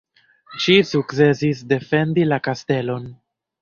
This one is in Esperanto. Ŝi sukcesis defendi la kastelon.